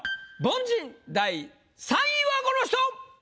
凡人第３位はこの人！